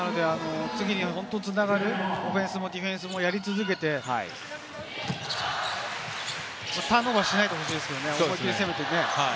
次につながるオフェンスもディフェンスもやり続けてターンオーバーしないでほしいですね、せめてね。